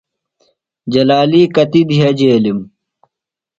جلالی کتیۡ دِھِیہ جیلِم؟